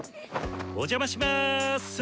お邪魔しまぁす！